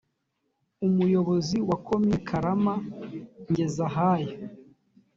umuyobozi wa komine karama ngezahayo